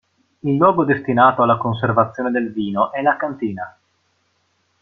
Il luogo destinato alla conservazione del vino è la cantina.